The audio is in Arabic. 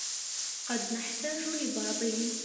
قد نحتاج لبعضه.